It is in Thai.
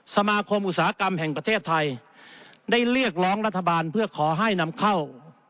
สมาคมอุตสาหกรรมแห่งประเทศไทยได้เรียกร้องรัฐบาลเพื่อขอให้นำเข้า